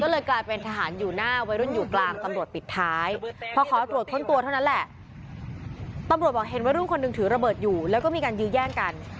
และกำลังยื้อย่างกัน